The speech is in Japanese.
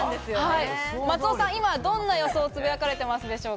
松尾さん、今、どんな予想がつぶやかれていますか？